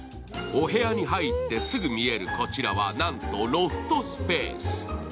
お部屋に入ってすぐ見えるこちらはなんとロフトスペース。